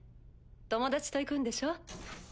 友達と行くんでしょ？